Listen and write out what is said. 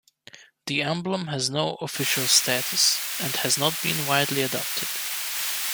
The emblem has no official status, and has not been widely adopted.